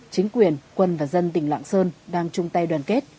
chính quyền quân và dân tỉnh lạng sơn đang chung tay đoàn kết